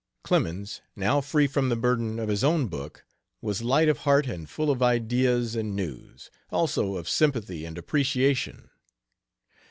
Clemens, now free from the burden of his own book, was light of heart and full of ideas and news; also of sympathy and appreciation.